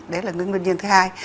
đấy là nguyên nhân thứ hai